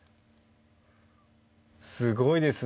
すごいですね。